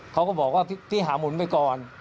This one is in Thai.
เขาก็บอกว่าพี่หาหมุนไปก่อน